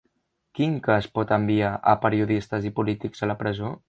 Quin cas pot enviar a periodistes i polítics a la presó?